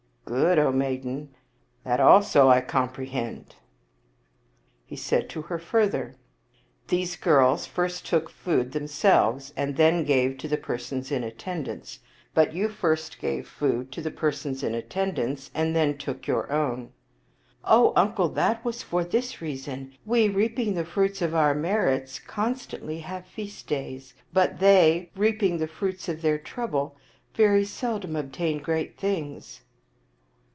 " Good, O maiden ; that also I comprehend." He said to her further, " These girls first took food them selves and then gave to the persons in attendance ; but you first gave food to the persons in attendance, and then took your own." " O uncle, that was for this reason : we, reaping the fruits of our merits, constantly have feast days ; but they, reaping the fruits of their trouble, very seldom obtain great things."